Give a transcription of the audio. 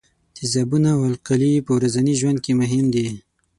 تیزابونه او القلي په ورځني ژوند کې مهم دي.